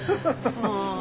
もう。